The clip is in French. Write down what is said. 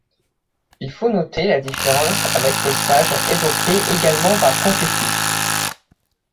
Il faut noter la différence avec le Sage évoqué également par Confucius.